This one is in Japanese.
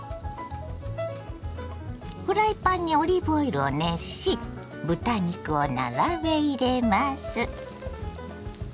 フライパンにオリーブオイルを熱し豚肉を並べ入れます。